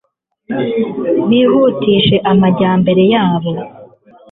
bihutishe amajyambere yabo